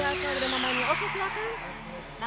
kalau ada namanya oke siapa